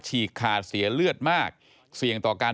พบหน้าลูกแบบเป็นร่างไร้วิญญาณ